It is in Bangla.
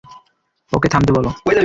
ওকে থামতে বলো!